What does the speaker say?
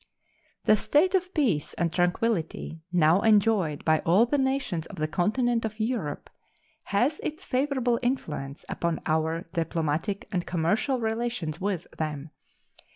The state of peace and tranquillity now enjoyed by all the nations of the continent of Europe has its favorable influence upon our diplomatic and commercial relations with them.